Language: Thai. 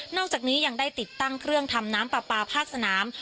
อกจากนี้ยังได้ติดตั้งเครื่องทำน้ำปลาปลาภาคสนาม